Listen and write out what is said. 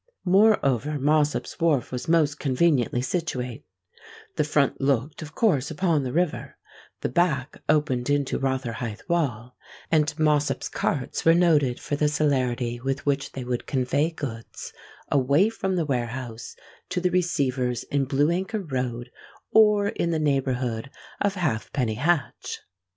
Moreover, Mossop's Wharf was most conveniently situate: the front looked, of course, upon the river; the back opened into Rotherhithe Wall; and Mossop's carts were noted for the celerity with which they would convey goods away from the warehouse to the receivers in Blue Anchor Road or in the neighbourhood of Halfpenny Hatch.